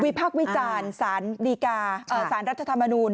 วิพักวิจารย์สารรัฐธรรมนูล